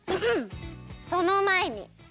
そのまえに。